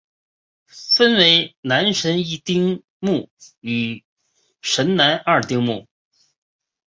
分为神南一丁目与神南二丁目。